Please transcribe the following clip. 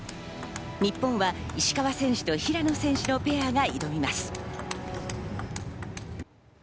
日本は石川選手と平野選手のペアが挑みます。